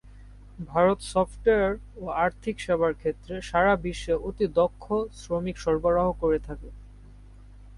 Bharat software ও আর্থিক সেবার ক্ষেত্রে সারা বিশ্বে অতি-দক্ষ শ্রমিক সরবরাহ করে থাকে।